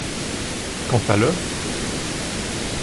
Quant à l’œuf !…